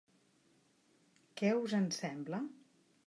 Què us en sembla?